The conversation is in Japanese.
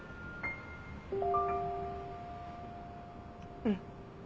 うん。